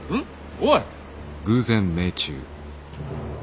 おい！